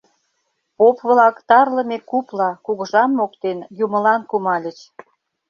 Поп-влак тарлыме купла, кугыжам моктен, юмылан кумальыч.